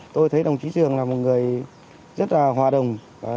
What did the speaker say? tôi thấy đồng chí trường là một người rất là hòa đồng